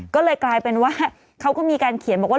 ก็เลยกลายเป็นว่าเขาก็มีการเขียนบอกว่า